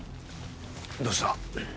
どうした？